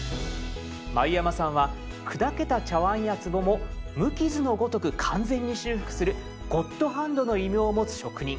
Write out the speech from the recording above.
繭山さんは砕けた茶碗やつぼも無傷のごとく完全に修復する「ゴッドハンド」の異名を持つ職人。